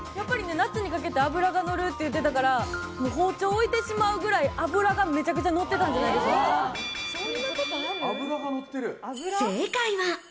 夏にかけて脂がのるって言ってたから包丁を置いてしまうぐらい、脂がめちゃくちゃのってたんじゃないでしょ正解は。